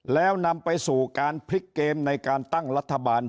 แล้วนำไปสู่การพลิกเกมในการตั้งรัฐบาล